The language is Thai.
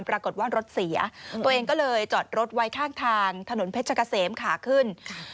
ปรากฏว่ารถเสียตัวเองก็เลยจอดรถไว้ข้างทางถนนเพชรกะเสมขาขึ้น